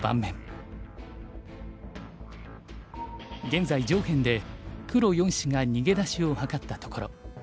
現在上辺で黒４子が逃げ出しを図ったところ。